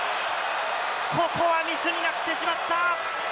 ここはミスになってしまった！